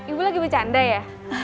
ibu lagi bercanda ya